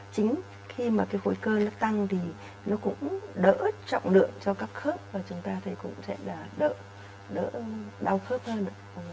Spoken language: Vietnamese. chính khi mà khối cơ nó tăng thì nó cũng đỡ trọng lượng cho các khớp và chúng ta cũng sẽ đỡ đau khớp hơn